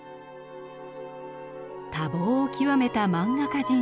多忙を極めた萬画家人生。